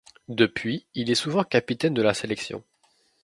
Depuis il est souvent capitaine de la sélection.